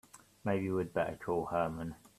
Maybe we'd better call Herman.